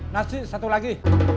nasi satu lagi